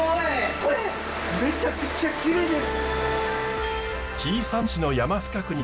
これめちゃくちゃきれいです！